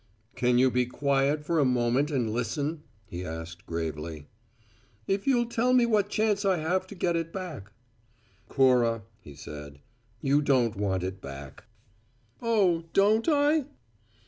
"Can you be quiet for a moment and listen?" he asked gravely. "If you'll tell me what chance I have to get it back." "Cora," he said, "you don't want it back." "Oh? Don't I?"